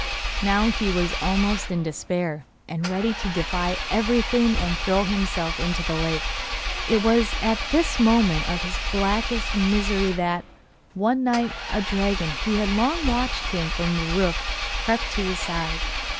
Now he was almost in despair, and ready to defy everything and throw himself into the lake. It was at this moment of his blackest misery that, one night, a dragon who had long watched him from the roof crept to his side.